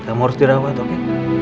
kamu harus dirawat oke